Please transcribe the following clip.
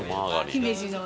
姫路の。